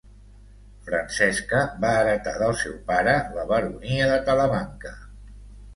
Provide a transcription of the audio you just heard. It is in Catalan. Francesca va heretar del seu pare la baronia de Talamanca.